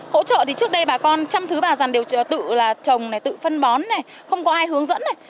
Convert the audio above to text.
hỗ trợ thì trước đây bà con chăm thứ bà dàn đều tự là trồng này tự phân bón này không có ai hướng dẫn này